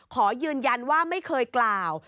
ขอยืนยันว่าไม่เคยกล่าว